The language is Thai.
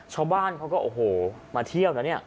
ชาวบ้านเขาก็โอ้โหมาเที่ยวนะเนี่ย